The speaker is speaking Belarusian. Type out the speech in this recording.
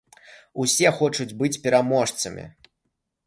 Усе хочуць быць пераможцамі.